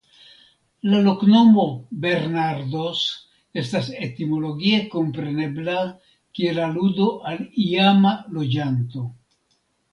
La loknomo "Bernardos" estas etimologie komprenebla kiel aludo al iama loĝanto.